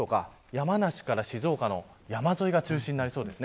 山梨から静岡の山沿いが中心になりそうです。